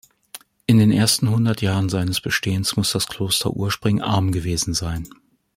In den ersten hundert Jahren seines Bestehens muss das Kloster Urspring arm gewesen sein.